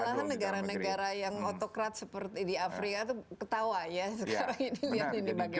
malahan negara negara yang otokrat seperti di afrika itu ketawa ya sekarang ini